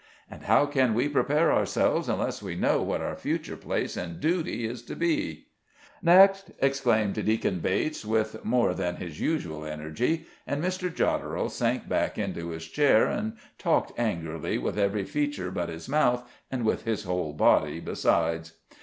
And how can we prepare ourselves unless we know what our future place and duty is to be?" "Next!" exclaimed Deacon Bates with more than his usual energy, and Mr. Jodderel sank back into his chair and talked angrily with every feature but his mouth, and with his whole body besides.